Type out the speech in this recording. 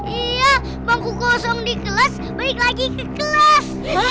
iya bangku kosong di kelas balik lagi ke kelas